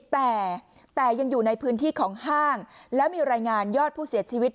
แต่ยังอยู่ในพื้นที่ของห้างแล้วมีรายงานยอดผู้เสียชีวิต